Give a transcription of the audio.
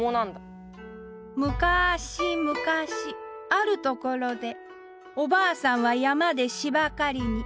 むかしむかしあるところでおばあさんは山でしば刈りに。